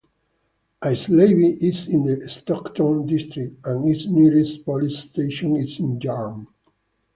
Aislaby is in the Stockton district and its nearest police station is in Yarm.